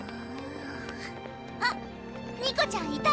あっにこちゃんいた！